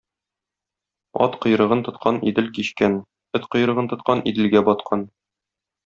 Ат койрыгын тоткан идел кичкән, эт койрыгын тоткан иделгә баткан.